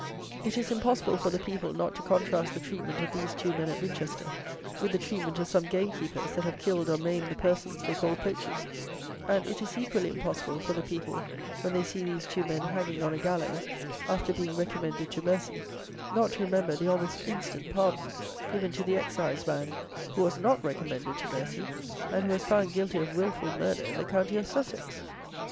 It is impossible for the people not to contrast the treatment of these two men at Winchester with the treatment of some gamekeepers that have killed or maimed the persons they call poachers; and it is equally impossible for the people, when they see these two men hanging on a gallows, after being recommended to mercy, not to remember the almost instant pardon, given to the exciseman, who was not recommended to mercy, and who was found guilty of wilful murder in the County of Sussex!